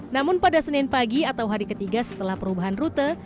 namun pada senin pagi atau hari ketiga setelah perubahan rute